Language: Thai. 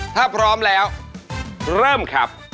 ถ้าพร้อมแล้วเริ่มครับ